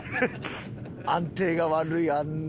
安定が悪いあんな。